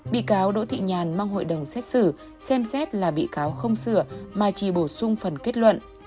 bị cáo đỗ thị nhàn mong hội đồng xét xử xem xét là bị cáo không sửa mà chỉ bổ sung phần kết luận